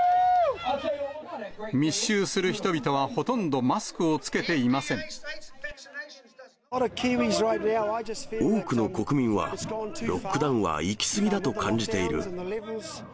密集する人々は、ほとんどマスク多くの国民は、ロックダウンは行き過ぎだと感じている。